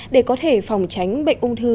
để có thể phòng tránh bệnh ung thư